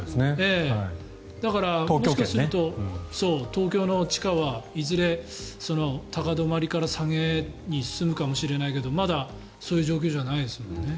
東京の地価はいずれ高止まりから下げに進むかもしれないけどまだそういう状況ではないですもんね。